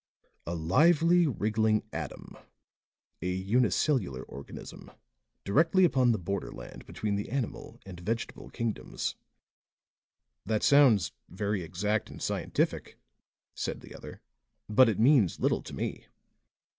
"A lively, wriggling atom a unicellular organism, directly upon the border land between the animal and vegetable kingdoms." "That sounds very exact and scientific," said the other. "But it means little to me."